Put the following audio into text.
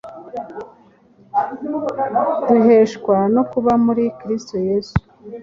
duheshwa no kuba muri Kristo yesu.”